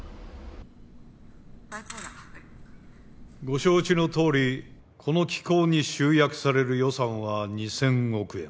ご承知のとおりこの機構に集約される予算は２０００億円。